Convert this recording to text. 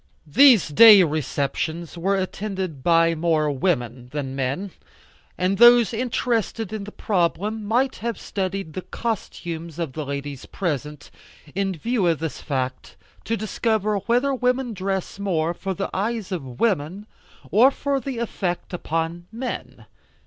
These day receptions were attended by more women than men, and those interested in the problem might have studied the costumes of the ladies present, in view of this fact, to discover whether women dress more for the eyes of women or for effect upon men.